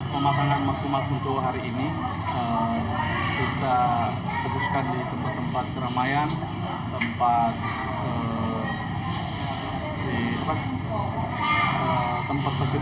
pemasangan maklumat untuk hari ini kita tebuskan di tempat tempat keramaian